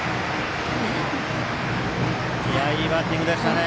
いいバッティングでしたね。